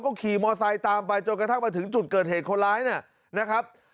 ก็ขี่มอไซค์ตามไปจนกระทั่งมาถึงจุดเกิดเหตุคนร้ายนะครับ